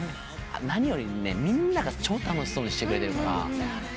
何よりもみんなが超楽しそうにしてくれてるから。